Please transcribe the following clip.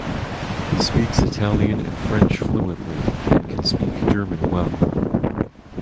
He speaks Italian and French fluently and can speak German well.